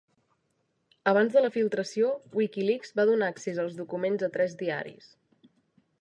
Abans de la filtració, WikiLeaks va donar accés als documents a tres diaris.